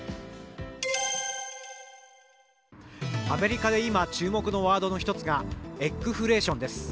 アメリカで今注目のワードの１つがエッグフレーションです。